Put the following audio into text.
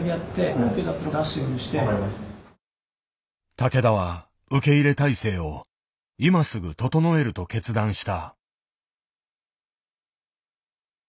竹田は受け入れ態勢を今すぐ整えると決断した。